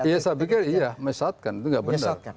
iya saya pikir iya menyesatkan itu gak benar